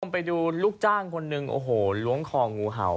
ต้องไปดูลูกจ้างคนหนึ่งโอโหรวงคอหงูเห่า